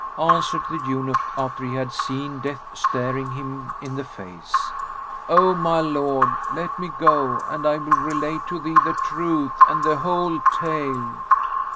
Answered the eunuch, after he had seen death staring him in the face; "O my lord, let me go and I will relate to thee the truth and the whole tale."